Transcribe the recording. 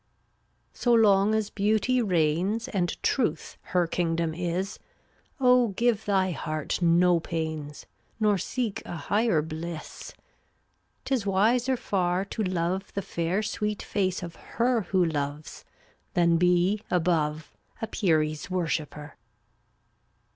0un<j (f^tttA!? ^°^ on & as Beauty reigns nn And truth her kingdom is, ^|vC/ Oh give thy heart no pains, Nor seek a higher bliss, 'Tis wiser far to love The fair sweet face of her Who loves, than be, above, A peri's worshiper.